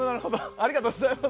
ありがとうございます。